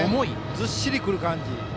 ずっしりくる感じ。